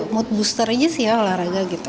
mood booster aja sih ya olahraga gitu